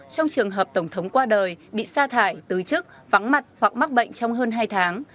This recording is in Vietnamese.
trong trường hợp tổng thống qua đời bị sa thải tứ chức vắng mặt hoặc mắc bệnh trong hơn hai tháng